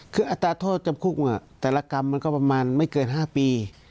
คืออัตราโทษจำคุกแต่ละกรรมมันก็ประมาณไม่เกิน๕ปี